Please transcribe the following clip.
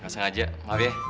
masang aja maaf ya